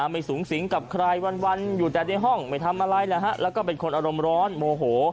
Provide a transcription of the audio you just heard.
ไม่สูงสิงกับใครวันอยู่แต่ในห้องไม่ทำอะไรแล้วก็เป็นคนอารมณ์ร้อนโมโห